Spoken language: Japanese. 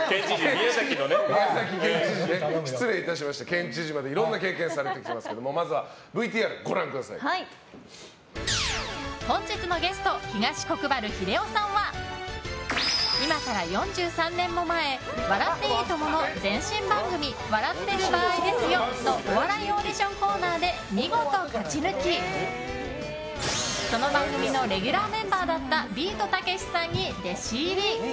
県知事までいろんな経験をされてきましたが本日のゲスト東国原英夫さんは今から４３年も前「笑っていいとも！」の前身番組「笑ってる場合ですよ！」のお笑いオーディションコーナーで見事勝ち抜きその番組のレギュラーメンバーだったビートたけしさんに弟子入り。